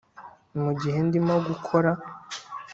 mugihe ndimo gukora' '